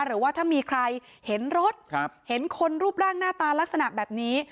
หรือว่าถ้ามีใครเห็นรถเห็นคนรูปร่างหน้าตาลักษณะแบบนี้